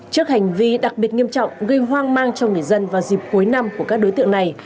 trước hành vi đặc biệt nghiêm trọng gây hoang mang cho người dân vào dịp cuối năm của các đối tượng này